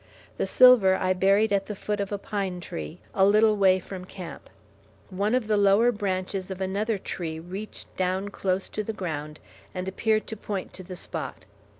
The silver I buried at the foot of a pine tree, a little way from camp. One of the lower branches of another tree reached down close to the ground, and appeared to point to the spot.